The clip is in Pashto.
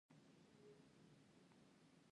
دین د عدالت او انصاف غوښتنه کوي.